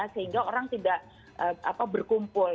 sehingga orang tidak berkumpul